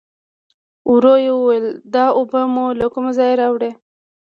ورو يې وویل: دا اوبه مو له کوم ځايه راوړې؟